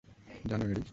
জানো, এডি?